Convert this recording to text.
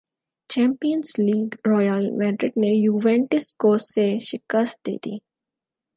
champions League Real Madrid نے Juventus کو سے شکست دے دی